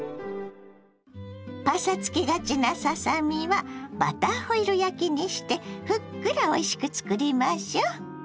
パサつきがちなささ身はバターホイル焼きにしてふっくらおいしく作りましょう。